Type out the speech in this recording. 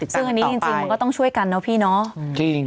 ซึ่งอันนี้จริงมันก็ต้องช่วยกันเนอะพี่เนาะ